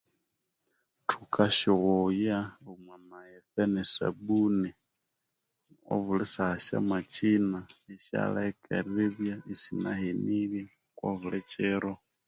Thukasyoghaya omu amaghetse ne sabuni obuli saha syamakyina isabya isinahenirye obulikiro